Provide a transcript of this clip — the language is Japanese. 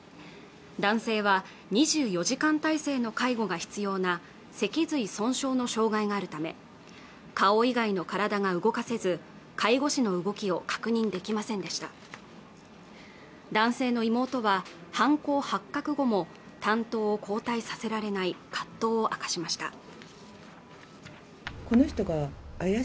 男性は２４時間体制の介護が必要な脊髄損傷の障害があるため顔以外の体が動かせず介護士の動きを確認できませんでした男性の妹は犯行発覚後も担当を交代させられない葛藤を明かしました